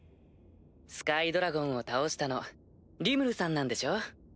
スカイドラゴンを倒したのリムルさんなんでしょ？